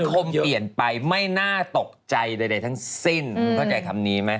คมเปลี่ยนไปไม่น่าตกใจใดทั้งสิ้นเข้าใจคำนี้ไหม